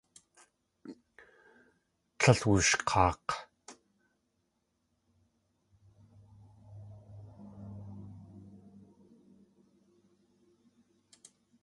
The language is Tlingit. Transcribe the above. Tlél wushk̲aak̲.